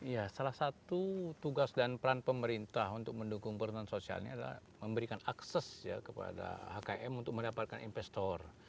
ya salah satu tugas dan peran pemerintah untuk mendukung perhutanan sosial ini adalah memberikan akses ya kepada hkm untuk mendapatkan investor